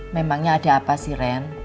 memangnya ada apa sih ren